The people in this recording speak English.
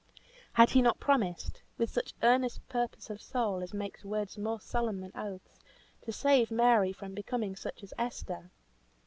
Had he not promised with such earnest purpose of soul, as makes words more solemn than oaths, to save Mary from becoming such as Esther?